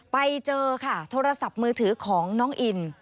ไปเจอค่ะโทรศัพท์มือถือของน้องอิน